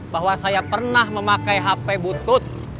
bahwa saya pernah memakai hp butut